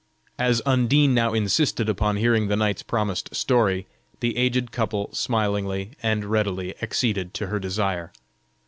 As Undine now insisted upon hearing the knight's promised story, the aged couple smilingly and readily acceded to her desire.